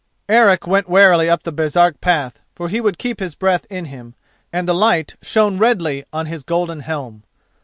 Eric went warily up the Baresark path, for he would keep his breath in him, and the light shone redly on his golden helm.